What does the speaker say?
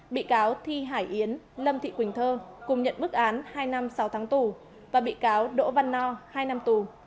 bị cáo thi hải yến lâm thị quỳnh thơ cùng nhận bức án hai năm sáu tháng tù và bị cáo đỗ văn no hai năm tù